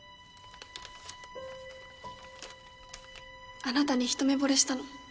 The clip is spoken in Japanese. あなたに一目ぼれしたの